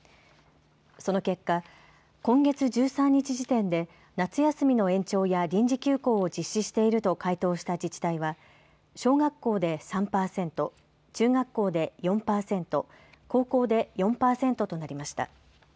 その結果、今月１３日時点で夏休みの延長や臨時休校を実施していると回答した自治体は小学校で３％、中学校で４％、高校で４％となりました。